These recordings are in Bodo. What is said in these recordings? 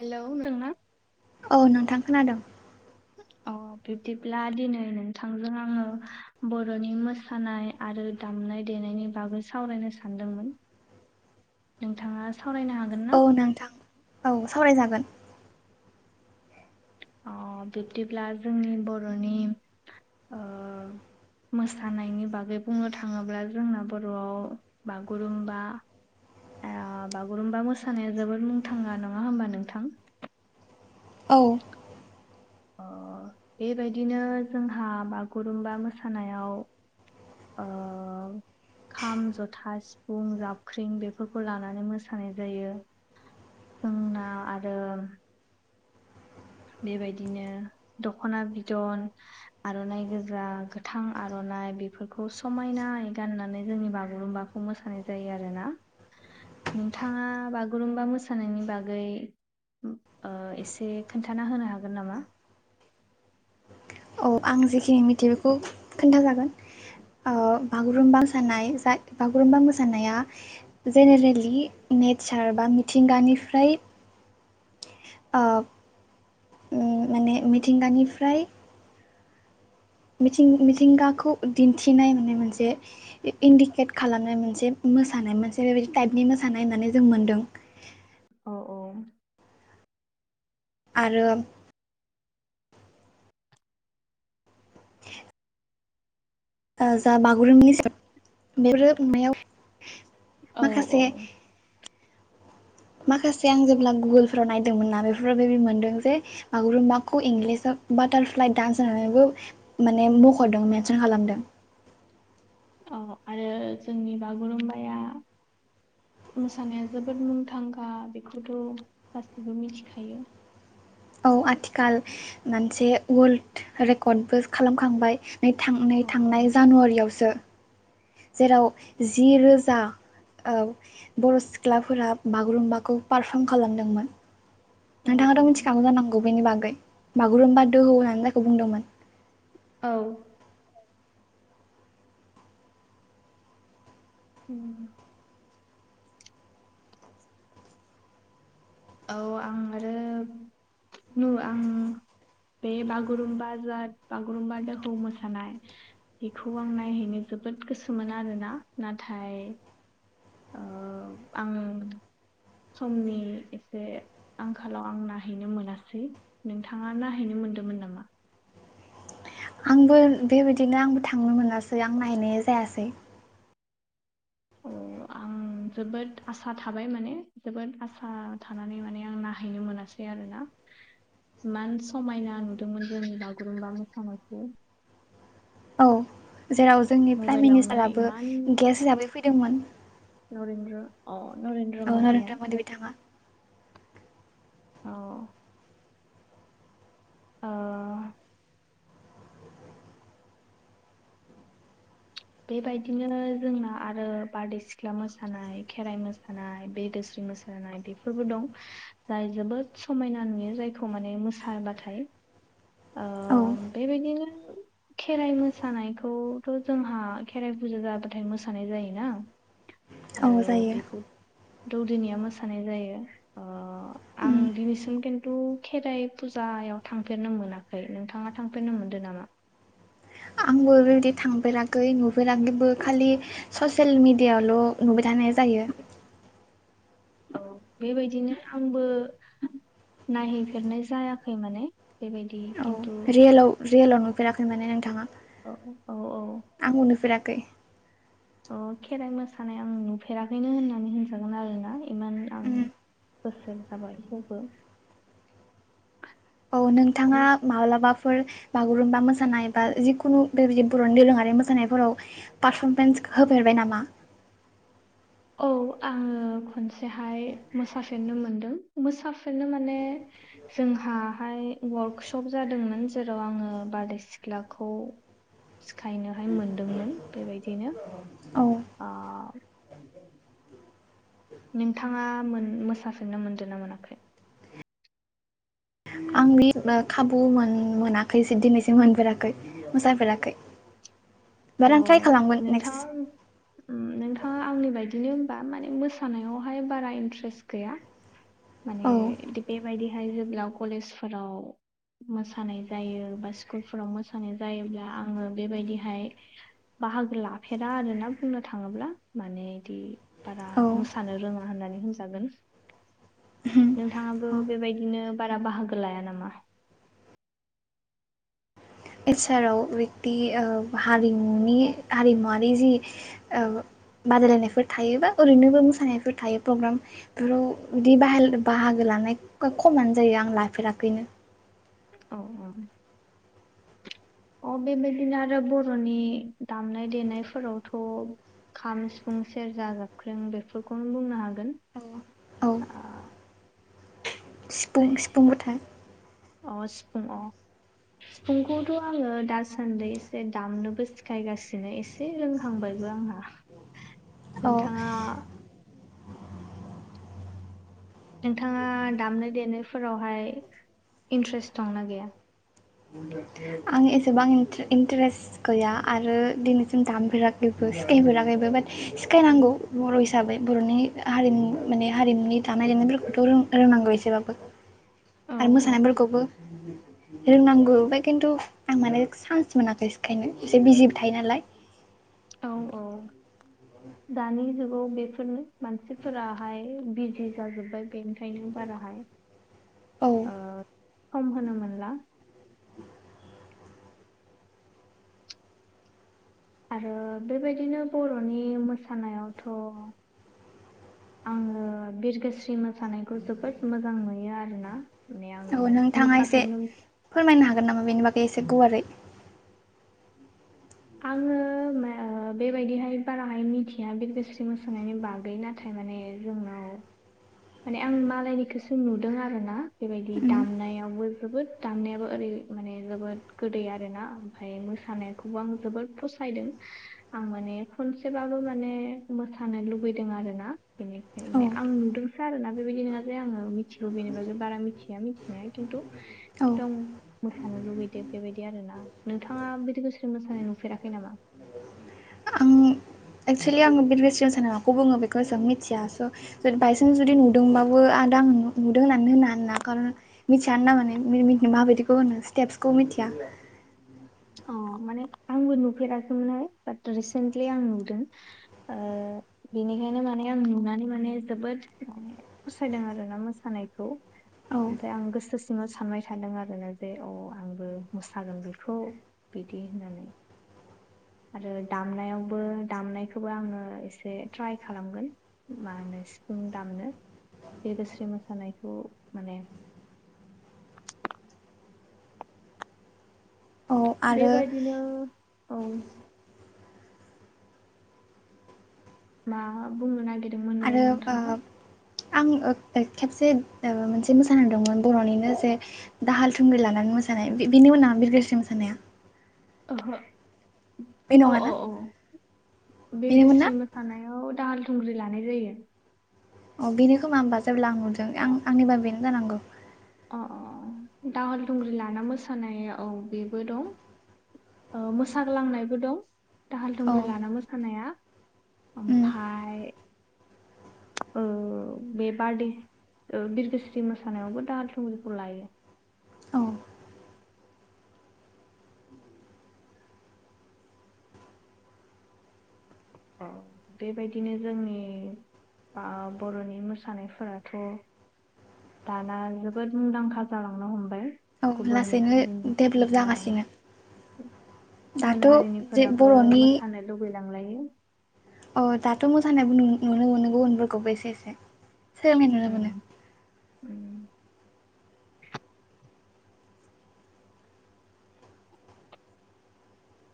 हेलौ बुंदोंना। औ नोंथां खोनादों। अ बिब्दिब्ला दिनै नोंथांजों आङो बर'नि मोसानाय। आरो दामनाय देनायनि बागै सावरायनो सानदोंमोन। नोंथाङा सावरायनो हागोन। ना? औ नोंथां औ सावरायजागोन। बिब्दिब्ला जोंनि बर'नि मोसानायनि बागै बुंनो थाङोब्ला जोंना बर'आव बागुरुमबा बागुरुम्बा मोसानाया जोबोद मुंथांना नङा होमबा नोंथां। औ [unintelligible] बेबायदिनो जोंहा बागुरुमबा मोसानायाव ओ खाम जथा सिफुं जाबख्रिं बेफोरखौ लानानै मोसानाय जायो। जोंना आरो बेबायदिनो दख'ना बिदन आर'नाइ गोजा गोथां आर'नाइ बेफोरखौ समायनाय गाननानै जोंनि बागुरुम्बा खौ मोसानाय जायो आरो ना नोंथाङा बागुरुम्बा मोसानायनि बागै एसे खोनन्थाना होनो हागोन नामा औ आं जेखिनि मिथियो बेखौ खोन्थाजागोन बागुरुमबा मोसानाय बागुरुमबा मोसानाया जेनेरेलि नेचार बा मिथिंगानिफ्राय माने मिथिंगानिफ्राय मिथिं मिथिंगाखौ दिन्थिनाय माने मोनसे इन्डिकेट खालामनाय मोनसे मोसानाय मोनसे बेबायदि टाइपनि मोसानाय होननानै जों मोन्दों। अ औ आरो जा बागुरुमनि बेफोरो नुनायाव औ औ माखासे आं जेब्ला गुगोलफ्राव नायदोंमोन बेफोराव बेदि मोनदों जे बागुरुमबाखौ इंलिसाव बाटारफ्लाइ डान्स होनानैबो माने मख'दों मेनसन खालामदों औ आरो जोंनि बागुरुमबाया मोसानाया जोबोद मुंदांखा बेखौथ' गासैबो मिथिखायो औ आथिखाल मोनसे वर्ल्ड रेकर्डबो खालामखांबाय नै थां नै औ औ थांनाय जानुवारियावसो जेराव जि रोजा बर' सिख्लाफोरा बागुरुम्बाखौ पारफर्म खालामदोंमोन औ नोंथाङाथ' मिथिखागौ जानांगौ बेनि बागै बागुरुम्बा दोहौ होननानै जायखौ बुंदोंमोन औ उम औ आं आरो नु आं बे बागुरुम्बा ज बागुरुम्बा जोंखौ मोसानाय बेखौ आं नायहैनो जोबोद गोसोम मोनो आरोना नाथाय आं समनि एसे आंखालाव आं नायहैनो मोनासै नोंथाङा नायहैनो मोनदोंमोन नामा आंबो बेबायदिनो आंबो थांनो मोनासै आं नायहैनाय जायासै अ आं जोबोद आसा थाबाय माने जोबोद आसा थानानै माने आं नायाहैनो मोनासै आरो ना इमान समायना नुदोंमोन जोंनि बागुरुम्बा मोसानायखौ औ जेराव जोंनि प्राइम मबाइलावनो मिनिस्टाराबो इमान गेस्ट हिसाबै फैदोंमोन नरेनद्र अ नरेन औ नरेन्द्र मदि बिथाङा औ ओ बेबायदिनो जोंना आरो बारदै सिख्ला मोसानाय खेराइ मो मोसानाय बे दोस्रि मोसानाय बेफोरबो दं जाय जोबोद समायना नुयो जायखौ माने मोसाब्लाथाय औ बेबायदिनो खेराइ मोसानायखौथ' जोंहा खेराइ फुजा जाबाथाय मोसानाय जायोना औ आरो जायो बेखौ दौदिनिया मोसानाय जायो उम आं दिनैसिम खिन्थु खेराइ फुजायाव थांफेरनो मोना नोंथाङा थांफेरनो मोनदों नामा आंबो बेओरैबायदि थांफेराखै नुफेराखैबो खालि ससियेल मेडियाायावल' नुबाय थानाय जायो औ बेबायदिनो आंबो नायहैफेरनाय जायाखै माने बेबायदि खिन्थु रियेल रियेलाव नुफेराखै माने नोंथाङा औ औ औ आंबो नुफेराखै अ खेराइ मोसानाय आं नुफेराखैनो होननानै होनजागोन आरोना इमान आं उम बोसोन जाबाय थेवबो औ नोंथाङा माब्लाबाफोर बागुरुम्बा मोसानाय बा जिखुनु बेबायदि बर'नि दोरोङारि मोसानायफोराव पारफरमेन्स होफेरबाय नामा औ आंङो खनसेहाय मोसाफेरनो मोनदों मोसाफेरनो माने जोंहाहाय वार्कशप जादोंमोन जेराव आंङो बारदै सिख्लाखौ सिखायनोहाय मोनदोंमोन बेबायदिनो औ अ नोंथांङा मोसाफिननो मोनदों ना मोनाखै आंनि खाबु मोन मोनाखै दिनैसिम मोनफेराखै मोसाफेराखै अ बाट आं ट्राइ खालामगोन नेक्स्ट नोंथां नोंथाङा आंनि बायदिनो होनबा माने मोसानायावहाय बारा इन्ट्रेस्ट गैया औ माने बेबायदिहाय जेब्ला कलेजफोराव मोसानाय जायो बा स्कुलफोराव मोसानाय जायोब्ला आङो बेबायदिहाय बाहागो लाफेरा आरोना बुंनो थाङोब्ला माने बिदि बारा औ मोसानो रोङा होननानै होनजागोन नोंथांङाबो औ बेबायदिनो बारा बाहागो लाया नामा एचाराव बिदि ओ हारिमुनि हारिमुवारि जि बादायलायनायफोर थायो बा ओरैनोबो मोसानायफोर थायो प्रग्राम बेयाव बिदि बाहाय बाहागो लानाय खमानो जायो आं लाफेराखैनो औ औ अ बेबायदिनो आरो बर'नि दामनाय देनायफोरावथ' खाम सिफुं सेरजा जाबख्रिं बेफोरखौनो बुंनो हागोन औ सिफुं सिफुंबोथाय अ सिफुं अ सिफुंखौथ' आंङो दासान्दि एसे दामनोबो सिखायगासिनो एसे एसे रोंहांबायबो आंहा औ नोंथांङा नोंथांङा दामनाय देनायफोरावहाय इन्ट्रेस्ट दंना गैया [unintelligible] आं एसेबां इन्टारेस्ट गैया आरो दिनैसिम दामफेराखैबो सिखायफेराखैबो बाट सिखायनांगौ बर' हिसाबै बर'नि हारिमु माने हारिमुनि दानाय लोंनायफोरखौथ' रों रोंनांगौ एसेबाबो [inaudible] आरो औ मोसानायफोरखौबो रोंनांगौ बे खिन्थु आं माने चान्स मोनाखै सिखायनो एसे बिजिबो थायो नालाय औ औ दानि जुगाव बेफोरनो मानसिफोराहाय बिजि जाजोब्बाय बेनिखायनो बाराहाय औ सम होनो मोनला आरो बेबायदिनो बर'नि मोसानायावथ' आंङो बिरगोस्रि मोसानायखौ जोबोद मोजां नुयो आरोना माने आं औ नोंथांङा एसे मोसाफेरनो फोरमायनो हागोन नामा बेनि बागै एसे गुवारै आंङो बेबायदिहाय बाराहाय मिथिया बे गोसोरथि मोसानायनि बागैना नाथाय माने जोंनाव माने आं मालायनिखौसो नुदों आर ना बेबायदि दामनायावबो जोबोद दामनायाबो ओरै माने जोबोद गोदै आर ना ओमफाय मोसानायखौबो आं जोबोद फसायदों आं माने खनसेबाबो माने मोसानो लुुबैदों आरोना बेनिखायनो औ माने आं नुदोंसो आरो ना बेबायदि नालथाय आंङो मिथिगौ बेनिब बारा मिथिया मिथिनायाया खिन्थु औ खिनथु मोसानो लुुबैदो बेबायदि आरो ना नोंथांङा बिदि गोसो मोसानाय फेराखै नामा आं एक्सुवुलि आंङो बे रेस्टुरेन्ट जानो माखौङो बेखौ जों मिथिया स' बायसान्स जुदि नुदोंबाबो आद आं नुदों होननानै होनो आरा खारन मिथियानो ना माने माबायदिखौ होनो स्टेप्सखौ मिथिया अ माने आंबो नुफेराखैमोनहाय बाट रिसेन्टलि आं नुदों बेनिखायनो माने आं नुनानै माने जोबोद माने फसायदों आरोना मोसानायखौ औ ओमफ्राय आं गोसोसिमाव सानबाय थादों आरोना जे अ आंबो मोसागोन बेखौ बिटि नामै आरो दामनायावबो दामनायखौबो आङो एसे ट्राइ खालामगोन मा होनो सिफुं दामनो बे बोस्रि मोसानायखौ माने औ आरो बेबायदिनो औ मा बुंनो नागिरदों आरो आं खेबसे मोनसे मोसानायदोंमोन बर'निनो जे दाहाल थुंग्रि लानानै मोसानाय बिनि उनाव बिरगोस्रिरि मोसानाया ओहो बे अ अ नङाना औ बेनोमोन ना बिरगोस्रि मोसा थानायाव दाहाल थुंग्रि लानाय जायो अ बेनो खोमा होनोमबा जेब्ला आं नुदों अ आं आंनिबा बेनो जानांगौ अ अ दाहाल दुंग्रि लाना मोसानाय औ बेबो दं मोसाग्लांनायबो दं दाहाल औ थुंग्रि लाना मोसानाया उम ओमफ्राय औ बे बारडे बिरगोस्रि मोसानायावबो दा थुंगिखौ लायो औ बेबायदिनो जोंनि बा बर'नि मोसानायफोराथ' दाना जोबोद मुंदांखा जालांनो हमबाय औ गुबुन लासैनो हारिनि डेभेलप जागासिनो गुबुन दाथ' जे हारिनिफोराबो बर'नि मोसानो लुबैलांलायो अ दाथ' मोसानायबो नुनो मोनो गुबुनफोरखौबो एसे एसे नुनो उ मोनो उ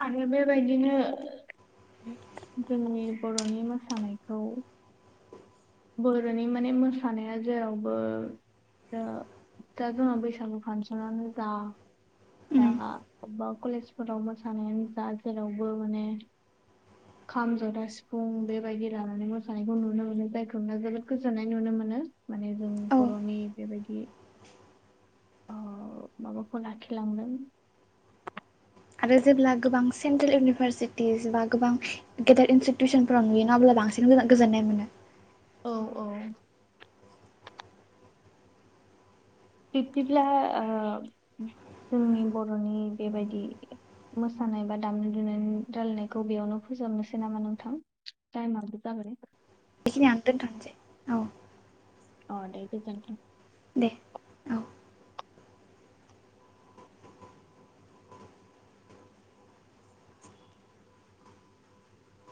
आरो बेबायदिनो जोंनि बर'नि मोसानायखौ बर'नि माने मोसानाया जेरावबो दा दा जोंहा बैसागु फांसनानो जा दा उम अबेबा कलेजफोराव मोसानायानो जा जेरावबो माने खाम जथा सिफुं बेबायदि लानानै मोसानायखौ नुनो मोनो जायखौ जोबोद गोजोननाय नुनो मोनो माने जों औ बर'नि बेबायदि माबाखौ लाखिलांदों आरो जेब्ला गोबां सेन्ट्रेल इउनिभारसिटिस बा गोबां गेदेर इनस्टिटिउसनफोराव नुयो ना अब्ला बांसिन गोजोननाय मोनो औ औ बिब्दिब्ला जोंनि बर'नि बेबायदि मोसानाय बा दामनाय दुनाय रायलायनायखौ बेयावनो फोजोबनोसै नामा नोंथां तायिमाबो जाबाय बेखिनि आ दोनथ'नोसै औ अ दे गोजोनथों दे औ